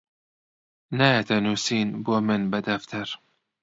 نایەتە نووسین بۆ من بە دەفتەر